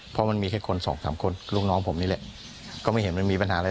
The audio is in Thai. เพราะมันมีแค่คนสองสามคนลูกน้องผมนี่แหละก็ไม่เห็นมันมีปัญหาอะไร